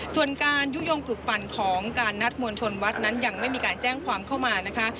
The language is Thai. ส่วนการยุโยงปลุกปั่นของการนัดมวลชนวัดนั้นยังไม่มีการแจ้งความเข้ามานะคะ